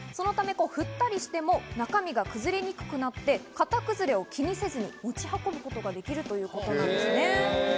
振ったりしても中身が崩れにくくなって、型崩れを気にせずに持ち運ぶことができるということです。